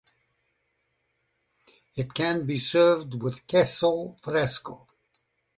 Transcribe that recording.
It can be served with "queso fresco".